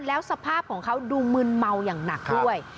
แล้วสภาพของเขาดูมึนเมาอย่างหนักด้วย